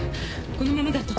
このままだと。